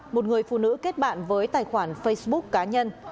một người phụ nữ kết bạn với tài khoản facebook cá nhân